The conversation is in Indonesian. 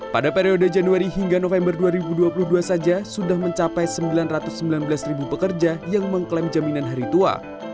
pada periode januari hingga november dua ribu dua puluh dua saja sudah mencapai sembilan ratus sembilan belas ribu pekerja yang mengklaim jaminan hari tua